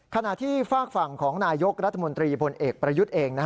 ขณะที่ฝากฝั่งของนายกรัฐมนตรีพลเอกประยุทธ์เอง